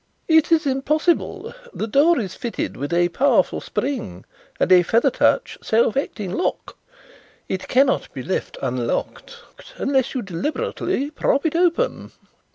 "It is impossible. The door is fitted with a powerful spring and a feather touch self acting lock. It cannot be left unlocked unless you deliberately prop it open."